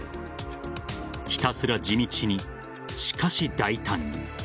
ひたすら地道に、しかし大胆に。